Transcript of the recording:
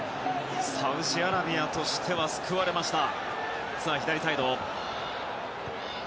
サウジアラビアとしては救われました。